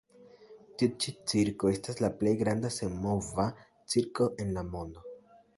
Tiu ĉi cirko estas la plej granda senmova cirko en la mondo.